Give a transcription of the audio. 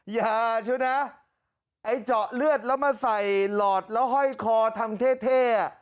อย่าเชียวนะไอ้เจาะเลือดแล้วมาใส่หลอดแล้วห้อยคอทำเท่อ่ะ